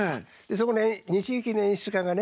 そこの日劇の演出家がね